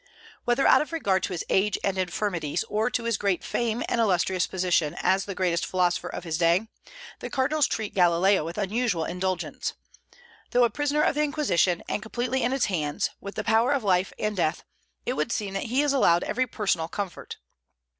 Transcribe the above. Whether out of regard to his age and infirmities, or to his great fame and illustrious position as the greatest philosopher of his day, the cardinals treat Galileo with unusual indulgence. Though a prisoner of the Inquisition, and completely in its hands, with power of life and death, it would seem that he is allowed every personal comfort.